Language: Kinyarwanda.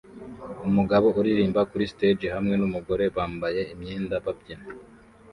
Umugabo uririmba kuri stage hamwe numugore wambaye imyenda babyina